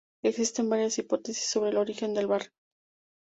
Existen varias hipótesis sobre el origen del barrio.